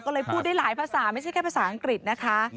ก็เลยพูดได้หลายภาษาไม่ใช่แค่ภาษาอังกฤษนะคะ